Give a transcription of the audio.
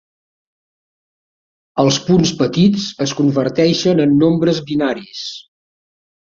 Els punts petits es converteixen en nombres binaris.